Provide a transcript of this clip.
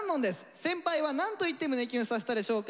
先輩はなんと言って胸キュンさせたでしょうか？